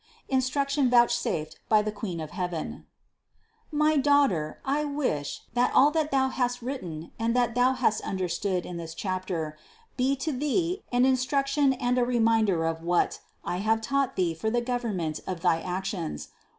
INSTRUCTION VOUCHSAFED BY THE QUEEN OF HEAVEN. 551. My daughter, I wish, that all that thou hast written and that thou hast understood in this chapter, be to thee an instruction and a reminder of what, I have taught thee for the government of thy actions.